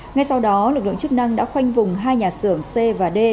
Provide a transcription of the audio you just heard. ngay sau đó lực lượng chức năng đã khoanh vùng hai nhà xưởng c và d